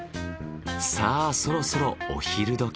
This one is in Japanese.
さあそろそろお昼どき。